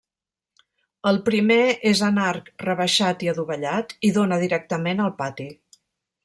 El primer és en arc rebaixat i adovellat, i dóna directament al pati.